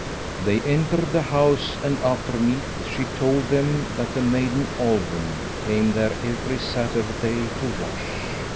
They entered the house, and after meat she told them that the maiden Olwen came there every Saturday to wash.